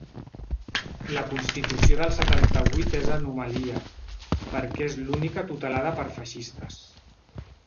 La constitució del setanta-vuit és anomalia, perquè és l’única tutelada per feixistes.